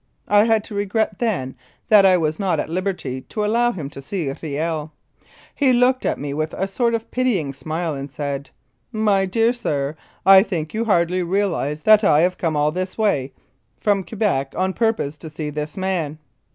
I had to regret, then, that I was not at liberty to allow him to see Riel. He looked at me with a sort of pitying smile and said, "My dear sir, I think you hardly realise that I have come all this long way from Quebec on purpose to see this man."